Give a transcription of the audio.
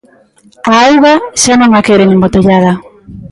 A auga xa non a queren embotellada.